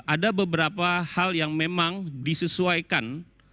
ada beberapa hal yang memang disesuaikan